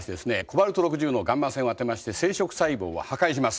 コバルト６０のガンマ線を当てまして生殖細胞を破壊します。